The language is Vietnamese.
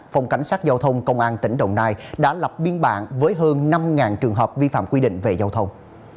phòng cảnh sát giao thông công an tỉnh đồng nai đã lập biên bản với hơn năm trường hợp vi phạm quy định về giao thông